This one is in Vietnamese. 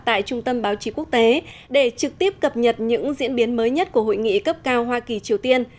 tại trung tâm báo chí quốc tế để trực tiếp cập nhật những diễn biến mới nhất của hội nghị cấp cao hoa kỳ triều tiên